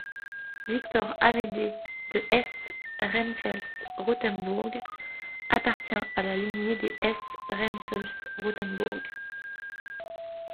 Victor-Amédée de Hesse-Rheinfels-Rotenbourg appartient à la lignée des Hesse-Rheinfels-Rotenbourg.